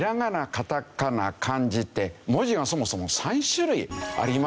カタカナ漢字って文字がそもそも３種類ありますでしょ。